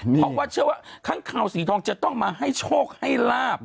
เพราะว่าเชื่อว่าค้างคาวสีทองจะต้องมาให้โชคให้ลาบ